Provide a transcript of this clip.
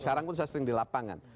sekarang pun saya sering di lapangan